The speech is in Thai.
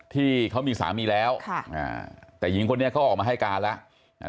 ที่เขามีสามีแล้วแต่หญิงคนนี้เขาออกมาให้การแล้ว